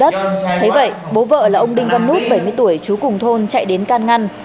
thế vậy bố vợ là ông đinh văn nút bảy mươi tuổi chú cùng thôn chạy đến can ngăn